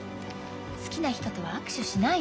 好きな人とは握手しないの。